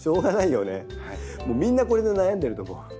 みんなこれで悩んでると思う。